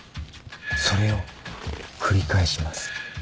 それを繰り返します。